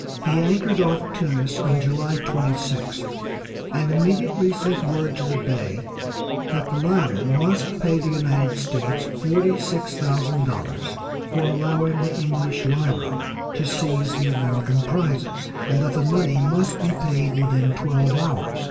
He anchored off Tunis on July 26th, and immediately sent word to the Bey that the latter must pay the United States forty six thousand dollars for allowing the English Lyra to seize the American prizes, and that the money must be paid within twelve hours.